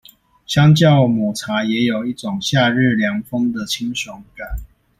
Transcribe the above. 相較抹茶也有一種夏日涼風的清爽感